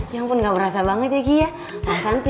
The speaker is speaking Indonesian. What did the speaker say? iya enam bulan pernikahan andi sama pak bos